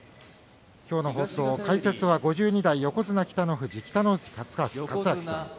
きょうの放送解説は５２代横綱北の富士の北の富士勝昭さん